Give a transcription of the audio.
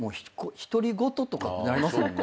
「独り言」とかってなりますもんね。